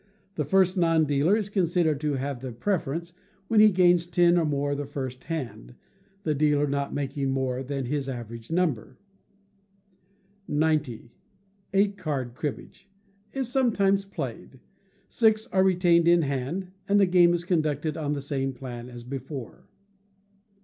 The first non dealer is considered to have the preference, when he gains ten or more the first hand, the dealer not making more than his average number. 90. Eight Card Cribbage is sometimes played. Six are retained in hand, and the game is conducted on the same plan as before.